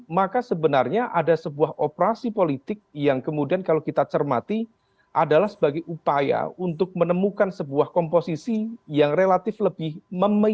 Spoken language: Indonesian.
maka sebenarnya ada sebuah operasi politik yang kemudian kalau kita cermati adalah sebagai upaya untuk menemukan sebuah komposisi yang relatif lebih memilih